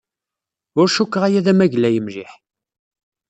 Ur cukkteɣ aya d amaglay mliḥ.